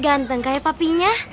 edward ganteng kayak papinya